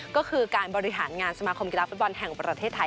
ก็คือการบริหารงานสมาคมกีฬาฟุตบอลแห่งประเทศไทย